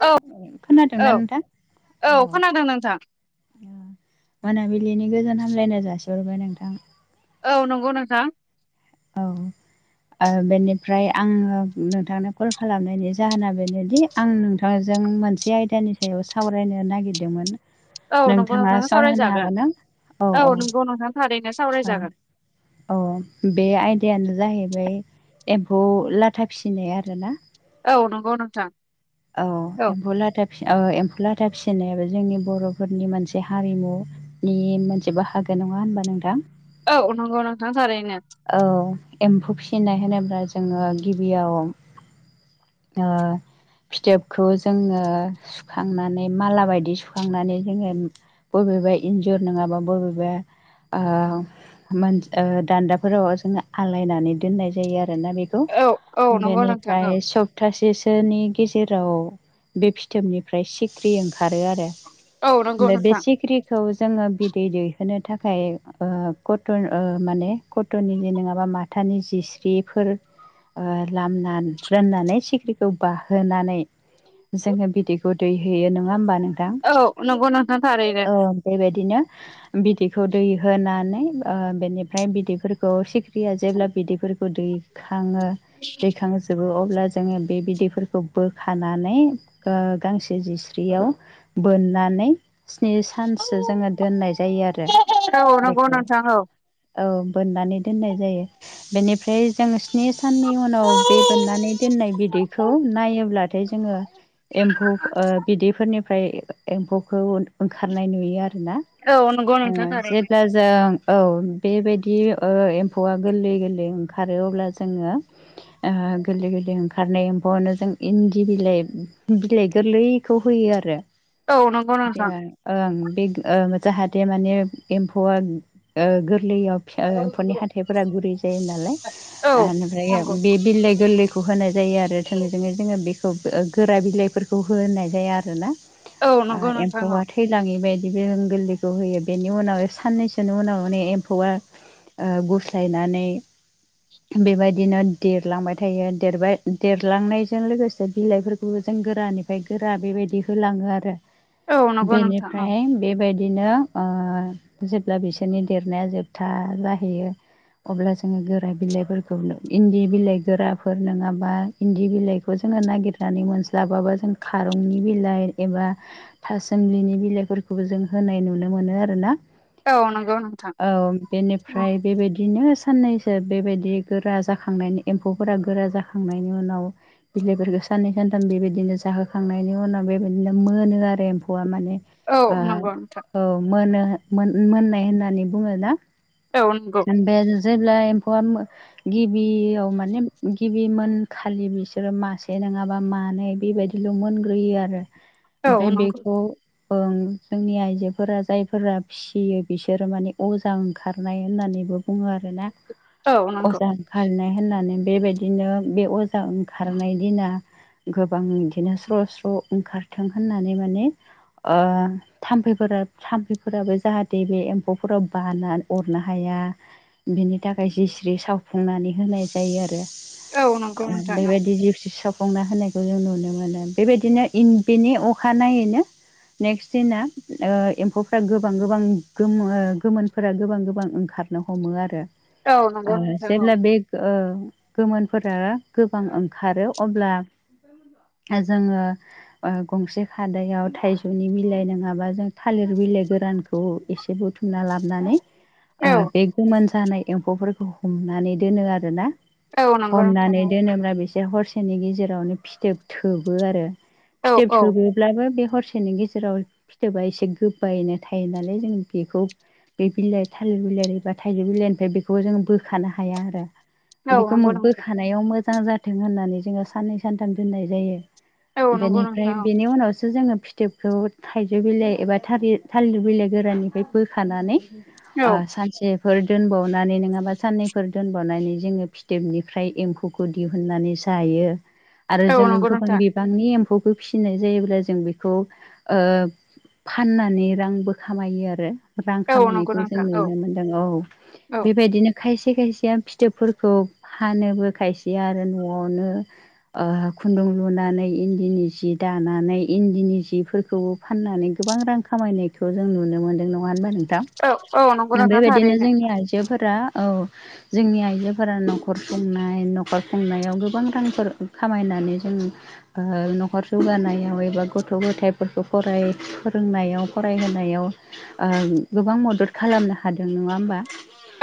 औ औ खोनादोंना नोंथां औ अ ओ खोनादों नोंथां मोनाबिलिनि गोजान हामलायनाय जासिहरबाय नोंथां। औ नंगौ नोंथां। औ। ओ बेनिफ्राय आङो नोंथांनो कल खालामनायनि जाहोना बेनोदि आं नोंथाङ जों जों मोनसे आयदानि सायाव सावरायनो नागिरदोंमोन। औ नंगौ नोंथाङा नोंथां सम होनो सावरायजागोन हागोन ना औ औ नंगौ नोंथां थारैनो सावरायजागोन अ बे आयदाया नो जाहैबाय एम्फौ लाथा फिसिनाय आरोना औ नंगौ नोंथां औ एम्फौ लाथा फि ओ एम्फौ लाथा फिसिनायाबो जोंनि बर'फोरनि मोनसे हारिमुनि मोनसे बाहागो नङा होनबा नोंथां? औ नंगौ नोंथां थारैनो औ एम्फौ फिसिनाय होनोब्ला जोङो गिबियाव द फिथोबखौ जोङो सुखांनानै माला बायदि सुखांनानै जोङो बबे बबेबा इजुर नांआबा बबेबा ओ मोन ओ बान्थाबो फोराव जोङो आलायनानै दोननाय जायो आरो बेखौ औ औ नंगौ नोंथां औ बेनिफ्राय सप्थासेसो सोनि गेजेराव बे फिथोबनिफ्राय सिख्रि ओंखा खारो आरो औ नंगौ ओमफाय बे नोंथां सिखिरिखौ जोंओ बि दै दैहोनो थाखाय ओ कटन ओ माने कटननि नङाबा मा थानि जिस्रिफोर ओ लामना दोननानै सिख्रिखौ बाहोनानै जोङो बिदैखौ दैहोयो नङा होमबा नोंथां? औ नंगौ नोंथां थारैनो औ बेबायदिनो बिदैखौ दै होनानै ओ बेनिफ्राय बिदैफोरखौ सिख फ्रिया जेब्ला बिदैफोरखौ दैखाङो दैखांजोबो अब्ला जोङो बे बिदैफोरखौ बोखानानै ओ गांसे जिस्रियाव बोनना नै स्नि सानसो जोङो दोननाय जायो आरो औ नंगौ बेखौ नोंथां औ औ बोननानै दोननाय जायो बेनि ओमफ्राय जों स्नि साननि उनाव बे बोननानै दोननाय बिदैखौ नायोब्लाथाय जोङो एम्फौ ओ बिदैफोरनिफ्राय एम्फौखौ ओंखारनाय नुयो आरोना औ नंगौ नोंथां ओ थारैनो जेब्ला जों औ बेबाय दि ओ एम्फौआ गोरलै गोरलै ओंखारो अब्ला जोङो ओ गोरलै गोरलै ओंखारनाय एम्फौनो जों इन्दि बिलाइ बिलाइ गोरलैखौ होयो। होयो आरो औ नंगौ ओ नोंथां ओं ओं बे ओं जाहाथे माने एम्फौआ ओ गोरलैयाव ओ एम्फौनि हाथाइफोरा गुरै जायो नालाय औ नंगौ इनिफ्राय बे बिलाय गोरलैखौ होनाय जायो। जायो आरो थोंजोङै जोङो बेखौ ओ गोरा बिलाइफोरखौ होनाय जाया आरोना औ ओ नंगौ नोंथां औ एम्फौआ थैलाङै बायदि बि बे ओं गोरलैखौ होयो बेनि उनाव साननैसोनि उनाव माने एम्फौआ ओ गुस्लायनानै बेबायदिनो देरलांबाय थायो देरबाय देरलांनायजों लोगोसे बिलाइफोरखौबो जों गोरानिफ्राय गोरा बेबायदि होलाङो आरो बेनिफ्राय बेबाय दिनो ओ जेब्ला बिसोरनि देरनाया जोबथा जाहैयो अब्ला जोङो गोरा बिलाइफोरखौ इन्दि बिलाइ गोराफोर नोंङाबा इन्दि बिलाइखौ जों जोङो नागिरनानै मोनस्लाबाबा जों खारंनि बिलाइ एबा थासोमलिनि बिलाइफोरख खौबो जों होनाय नुनो मोनो आरोना। औ नंगौ नोंथां। औ औ बेनिफ्राय बेबायदिनो साननैसो बेबायदि गोरा जाखांनायनि एम्फौफोरा गोरा जाखां खांनायनि उनाव बिलाइफोरखौ साननै सानथाम बेबायदिनो जाहोखांनायनि उनाव बेबायदिनो मोनो आर रो एम्फौआ माने औ नंगौ नोंथां औ ओ नंगौ नोंथां औ। मोनो मोन मोननाय होननानै बुङो ना। औ नंगौ ओमफाय जेब्ला एम्फौआ गिबियाव माने गिबिमोन खालि बिसोरो मासे नोंङाबा मानै बेबायदिल' मोनग्रोयो आरो। औ ओमफाय नंगौ बेखौ ओं जोंनि आइजोफोरा जायफोरा फिसियो बिसोरो माने अजा ओंखारनाय होननानैबो बुङो आरोना औ नंगौ अजा ओंखारनाय होननानै बेबायदिनो बे अजा ओंखारनाय दिना गोबां बिदिनो स्र' स्र' ओंखारथों होननानै माने ओ थाम्फैफोरा थाम्फैफोराबो जाहाथे बे एम्फौफोराव बाना अर नो हाया बिनि थाखाय जिस्रि सावफुंनानै होनाय जायो आरो। औ नंगौ ओ नोंथां औ बेबायदि जिस्रि सावफ फुंना होनायखौ जों नुनो मोनो बेबायदिनो इन बिनि अखा नायैनो नेक्स्ट दिना ओ एम्फौफ्रा गोबां गोबां गोमो गोमोनफोरा गोबां गोबां गोबां ओंखारनो हमो आरो औ नंगौ आरो नोंथां औ जेब्ला बे ओ गोमोनफोरा गोबां ओंखारो अब्ला जोङो ओ गंसे खादायाव थाइजौनि बिलाइ नोंङाबा जों थालिर बिलाइ गोरानखौ एसे बुथुमना लाबनानै ओ बे औ गोमोन जानाय एम्फौफोरखौ हमनानै दोनो आरोना। औ नंगौ नोंथां हमनानै औ दोनोब्ला बिस से हरसेनि गेजेरावनो फिथोब थोबो आरो औ फिथोब औ थोबोब्लाबो बे हरसेनि गेजेराव फिथोबा एसे गोबायैनो थायो नालाय जों बेखौ बे बिलाइ थालिर बिलाइ एबा थाइजौ बिलाइनिफ्राय बेखौ जोंङो बोखानो हाया आरो। औ बेखौ नंगौ नोंथां बोखानायाव मोजां जाथों होननानै जोङो साननै सानथाम दोननाय जायो। औ नंगौ बेनिफ्राय नोंथां बेनि उनावसो जोङो फि फिथोबखौ थाइजौ बिलाइ एबा थारि थालिर बिलाइ गोराननिफ्राय बोखानानै औ ओ सानसे फोर दोनबावनानै नोङाबा साननैफोर दोनबावनानै जोङो फिथोबनिफ्राय एम्फौखौ दिहुननानै जायो आरो औ जोङो नंगौ गोबां नोंथां बिबांनि एम्फौ फिसिनाय जायोब्ला जों बेखौ ओ फाननानै रांबो खामायो आरो रां औ नंगौ खामायनायखौ जों नोंथां औ नुनो मोनदों औ औ बेबायदिनो खायसे खायसेआ फिथोबफोरखौ फानोबो खायसेआ आरो न'आवनो ओ खुन्दुं लुनानै इन्दिनि जि दानानै इन्दिनि जिफोरखौबो फाननानै गोबां रां खाम खामायनायखौ जों नुनो मोनदों नङा होनबा नों औ औ नंगौ नोंथां बेबायदिनो थारैनो जोंनि आइजोफोरा औ जोंनि आइजोफोरा नखर संनाय न'खर खुंनायाव गोबां रांफोर खामायना जों ओ न'खर जौगानायाव एबा गथ' गथायफोरखौ फराय फोरोंनायाव फरायहोनायाव ओ गोबां मदद खालामनो हादों नङा होमबा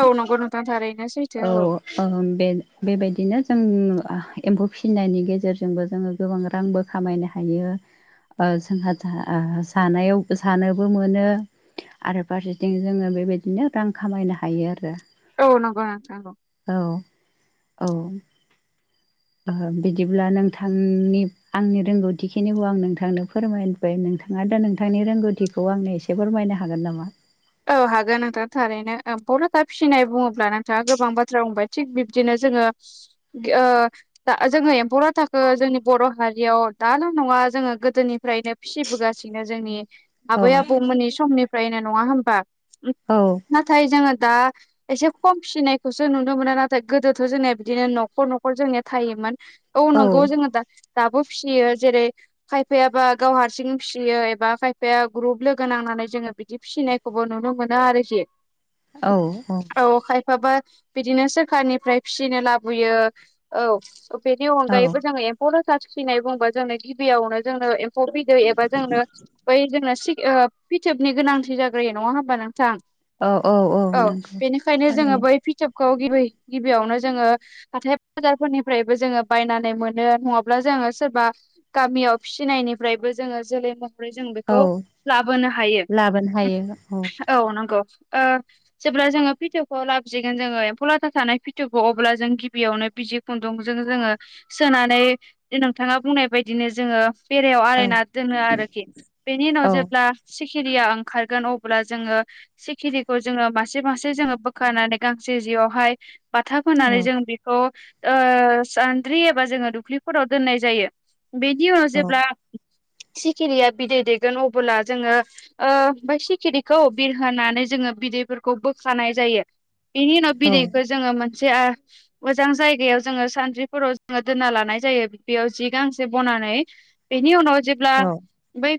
औ नंगौ नोंथां थारैनो सैथो औ ओ बे बेबायदिनो जों एम्फौ फिनायनि गेजेरजोंबो जोङो गोबां रांबो खामायनो हायो ओ जोंहा आ जानायाव जानोबो मोनो आरो फारसेथिं जोङो बेबायदिनो रां खामायनो हायो आरो औ नंगौ नोथां नंगौ औ बिदिब्ला नोंथांनि आंनि रोंगौथिखिनिखौ आं नोंथांनो फोरमायबाय नोंथाङा दा नोंथांनि रोंगौथिखौ आंनो एसे फोरमायनो हागोन नामा? औ हागोन नोंथां थारैनो बलाथा फिसिनाय बुङोब्ला नोंथाङा गोबां बाथ्रा बुंबाय थिग बिब्दिनो जोङो ओ दा जोङो एम्फौ थाखो जोंनि बर' हारियाव दाल' नङा जोङो गोदोनिफ्रायनो फिबोगासिनो जोंनि औ आबै आबौमोननि समनिफ्रायनो नङा होमबा औ नाथाय जोङो दा एसे खम फिनायखौसो नुनो मोना नाथाय गोदोथ' जोंनिया बिदिनो न'खर न'खर जोंनिया थायोमोन। औ नंगौ जोङो दा दाबो फियो जेरै खायफायाबा गाव हारसिं फियो एबा खायफाया ग्रुप लोगो नांना नानै जोङो बिदि फिनायखौबो नुनो मोनो आरोखि। औ औ माबा बिदिनो सोरखारनिफ्राय फिनो लाबोयो औ। बेनि अनगायैबो जोङो एम्फौ लाथा फिसिनाय बुंबा जोंनो गिबियावनो जोंनो एम एम्फौ बिदै एबा जोंनो बै जोंना सि फिथोबनि गोनांथि जाग्रो नङा होमबा नोंथां? औ बेनिखायनो जोङो बै फिथोब खौ गिबि गिबियावनो जोङो हाथाय बाजारफोरनिफ्रायबो जोङो बायनानै मोनो नङाब्ला जों सोरबा गामियाव फिनायनिफ्रायबो जोङो जोलैखौ जों बेखौ औ लाबोनो हायो लाबोनो हायो औ नंगौ। ओ जेब्ला जोङो फिथोबखौ लाबोसिगोन जोङो एम्फौ लाथा थानाय फिथोबखौ अब्ला जों गिबियावनो बि बिजि खुन्दुंजों जोङो सोनानै नोंथाङा बुंनाय बायदिनो जोङो बेरायाव औ आलायना दोनो आरोखि बेनि उनाव औ जेब्ला सिखिरिया ओं खारगोन अब्ला जोङो सिखिरिखौ जोङो मासे मासे जोङो बोखानानै गांसे जियावहाय बाथा फोनानै औ जों बेखौ ओ सान्द्रि एबा जोङो दुबख्लिफोराव दोननाय जायो। बेनि उनाव जेब्ला सिखिरिया बिदै दैगोन अब्ला जोङो ओ ओमफाय सिखरिखौ बिरहोनानै जोङो बिदैफोरखौ बोखानाय जायो। बेनि उनाव औ बिदैखौ जोङो मोनसे ओ मोजां जायगायाव जोङो सानद्रिफोराव जोङो दोनना लानाय जायो बेयाव जि गांसे बनानै बेनि उनाव जेब्ला बै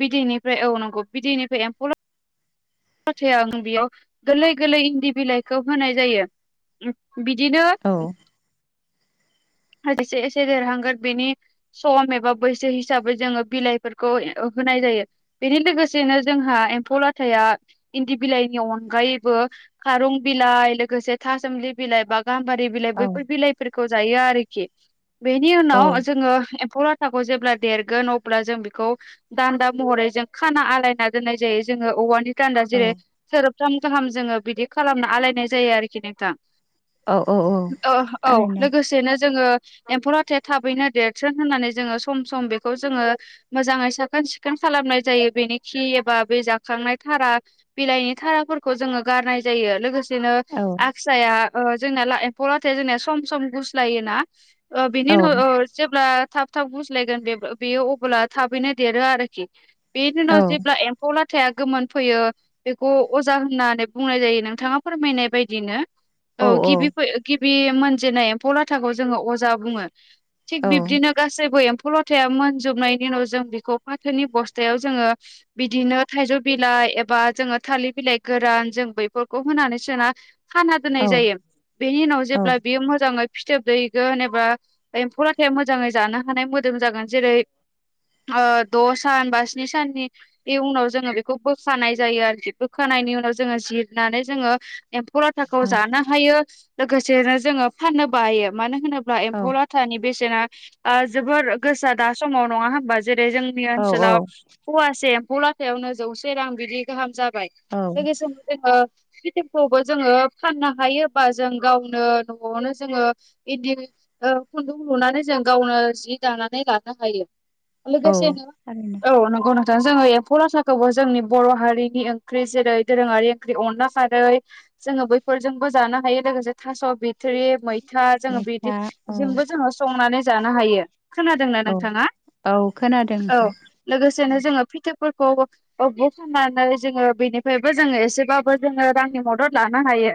बिदैनिफ्राय औ नंगौ बिदैनिफ्राय एम फौ लाथाया ओं बेयाव गोरलै गोरलै इन्दि बिलाइखौ होनाय जायो। बिदिनो औ एसे एसे देरहांगोन बेनि सम एबा बैसो हिसाबै जोङो बिलाइफोरखौ होनाय जायो बेनि लोगोसेनो जोंहा एम्फौ लाथाया इन्दि बिलाइनि अनगायैबो खारं बिलाइ लोगोसे थासोमलि बिलाइ बा गाम्बारि बिलाइ बैफोर बिलाइफोरखौ जायो आरोखि बेनि औ उनाव जोङो एम फौ लाथाखौ जेब्ला देरगोन अब्ला जों बेखौ दान्दा महरै जों खाना आलायना दोननाय जायो जों जोङो औवानि दान्दा जेरै सोरोबथाम गाहाम जोङो बिदि खालामना आलायनाय जायो आरोखि नोंथां। औ औ औ ओ औ थारैनो लोगोसेनो जोङो एम्फौ लाथाया थाबैनो देरथों होननानै जोङो सम सम बेखौ जोङो मोजाङै साखोन सिखोन खालामनाय जायो बेनि खि एबा बे जाखांनाय थारा बिलाइनि थाराफोरखौ जोङो गा गारनाय जायो लोगोसे सेनो औ आखिसाया ओ जोंना एम्फौ लाथा जोंनिया सम सम गुस्लायोना ओ बिनि औ उनाव ओ जेब्ला थाब थाब गुस्लायगोन बेबो बेयो अब्ला थाबैनो देरो आरोखि बेनि औ उनाव जेब्ला एम्फौ ला थाया गोमोन फैयो बेखौ अजा होननानै बुंनाय जायो नोंथाङा फोरमायनाय बायदिनो। औ गिबि फै गिबि मोनजेनाय एम्फौ लाथाखौ जोङो अजा बुङो। थिग औ बिब्दिनो गासैबो एम फौ लाथाया मोनजोबनायनि उनाव जों बेखौ फाथोनि बस्थायाव जोङो बिदिनो थाइजौ बिलाइ एबा जोङो थालिर बिलाइ गोरान जों बेैफोरखौ होनानै सोना खाना दोननाय औ जायो बेनि उनाव जेब्ला बियो मोजाङै फिथोब दैगोन एबा एम्फौ लाथाया मोजाङै जानो हानाय मोदोम जागोन जेरै ओ द' सान बा स्नि साननि [unintelligible] उनाव जोङो बेखौ बोखानाय जायो आरोखि बोखानायनि उनाव जोङो जिरनानै जोङो एम्फौ लाथाखौ जानो हायो लोगोसेनो जोङो फाननोबो हायो मानो होनोब्ला बा एम्फौ लाथानि बेसेना जोबोर गोसा दा समाव नङा होनबा? जेरै जोंनि औ ओनसोलाव फवासे एम्फौ लाथायावनो जौसे रां बिदि गाहाम जाब बाय जोंनि समाव जोङो। फिथोखौबो जोङो फाननो हायोबा जों गावनो न'आवनो जोङो इदि खुन्दुं लुनानै जों गावनो जि दानानै लानो हायो। औ लोगोसेनो थारैनो औ नंगौ नों जोङो एम्फौ लाथाखौबो जोंनि बर' हारिनि ओंख्रि जेरै दोरोङारि ओंख्रि अनला खारै। जोङो बैफोरजोंबो जानो हायो लोगोसे थास' बिथ'रि मैथा जोङो बिदि मैथा औ जोंबो जोङो संनानै जानो हायो। खोनादोंना औ नोंथाङा औ खोनादों औ नोंथां लोगोसेनो जोङो फिथोब फोरखौ ओ बखननानै जोङो बेनिफ्रायबो जोङो एसेबाबो जोङो रांनि मदद लानो हायो।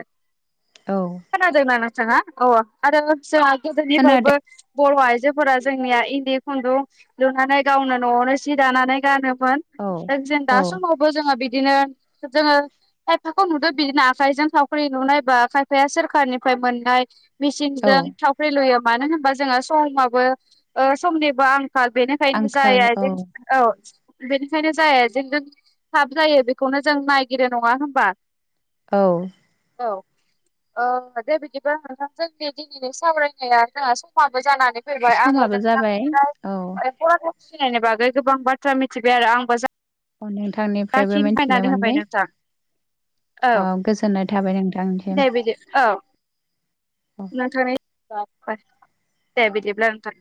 औ खोनादोंना नोंथाङा अ आरो जोंहा गोदोनिफ्रायबो खोनादों बर' आइजोफोरा जोंनिया इन्दि खुन्दुं लुनानै गावनो न'आवनो सि दानानै गानो। मोन औ दा जों दा औ समावबो जोङो बिब दिनो जोङो खायफाखौ नुदों बिदिनो आखायजों सावख्रि नुनायबा खायफाया सोरखारनिफ्राय मोननाय। औ मेसिनजों थावख्रि लुयो मानो होनबा जोङो समाबो ओ समनिबो आं खाल बेनिखायनो जाय आंखाल औ आइजें औ बेनिखायनो जाय आइजेंजों थाब जायो बेखौनो जों नायगिरो नङा होमबा? औ औ ओ दे बिदिबा नोंथां जोंनि दिनैनि सावरायनाया जोंहा समा जानानै फैबाय आङो समाबो जाबाय नोंथांनिफ्राय औ सिनायनायनि बागै गोबां बाथ्रा मिथिबाय आरो आंबो जा अ नोंथांनिफ्रायबो मिथिनो मोनबाय। नोंथां औ गोजोननाय थाबाय नोंथां। दे बिदो औ। दे बिदिब्ला नोंथां।